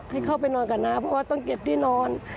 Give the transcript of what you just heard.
ให้เข้าไปนอนกับน้าเพราะว่าต้องเก็บที่นอน